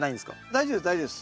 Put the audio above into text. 大丈夫です大丈夫です。